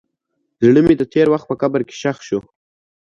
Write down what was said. زړه مې د تېر وخت په قبر کې ښخ شو.